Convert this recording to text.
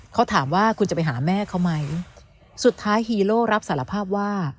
เขาถามว่าคุณจะไปหาแม่เขาไหมสุดท้ายฮีโร่รับสารภาพว่า